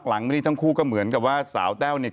หลังพักนี้ทั้งคู่เหมือนสาวเต้าเนี่ย